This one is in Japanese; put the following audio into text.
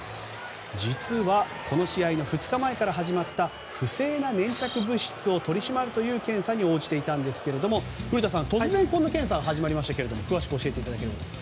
実は、この試合の２日前から始まった不正な粘着物質を取り締まるという検査に応じていたんですが古田さん、突然この検査始まりましたけど詳しく教えてください。